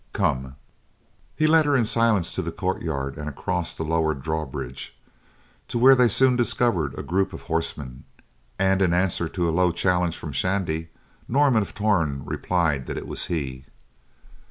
Come." He led her in silence to the courtyard and across the lowered drawbridge, to where they soon discovered a group of horsemen, and in answer to a low challenge from Shandy, Norman of Torn replied that it was he.